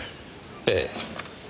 ええ。